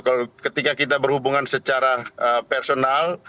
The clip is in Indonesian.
ketika kita berhubungan secara personal